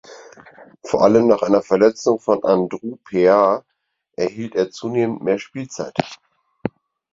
Vor allem nach der Verletzung von Andrus Peat erhielt er zunehmend mehr Spielzeit.